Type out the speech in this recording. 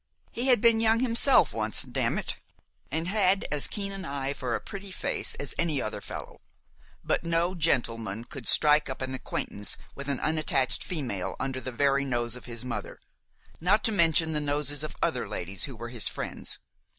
He had been young himself once, dammit! and had as keen an eye for a pretty face as any other fellow; but no gentleman could strike up an acquaintance with an unattached female under the very nose of his mother, not to mention the noses of other ladies who were his friends.